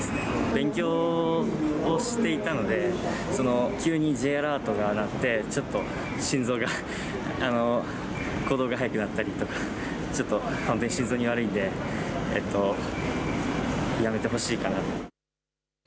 勉強をしていたので、急にＪアラートが鳴って、ちょっと心臓が、鼓動が早くなったりとか、ちょっと心臓に悪いんで、やめてほしいかな。